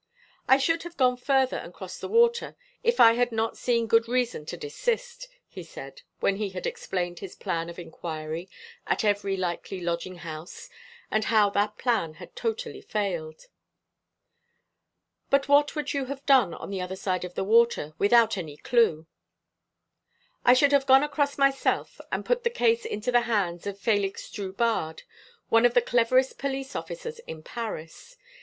"I should have gone further and crossed the water, if I had not seen good reason to desist," he said, when he had explained his plan of inquiry at every likely lodging house, and how that plan had totally failed. "But what would you have done on the other side of the water, without any clue?" "I should have gone across myself and put the case into the hands of Félix Drubarde, one of the cleverest police officers in Paris.